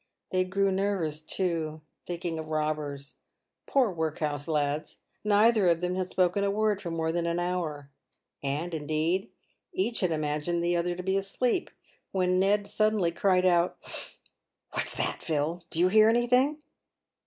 They grew nervous, too, thinking of robbers — poor workhouse lads ! Neither of them had spoken a word for more than an hour — and, in deed, each had imagined the other to be asleep — when Ned suddenly cried out, " What's that, Phil ? Did you hear anything